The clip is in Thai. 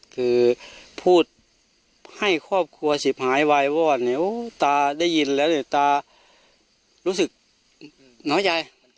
คือพูดให้ครอบครัวสิบหายไวว่ว่าตาได้ยินแล้วหรือตารู้สึกน้อยใจ